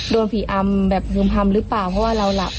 โดนผีอำแบบพึ่มพำหรือเปล่าเพราะว่าเราหลับ